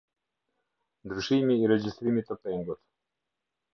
Ndryshimi i regjistrimit të pengut.